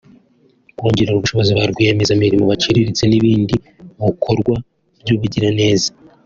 kongerera ubushobozi ba rwiyemezamirimo baciriritse n’ibindi bukorwa by’ubugiraneza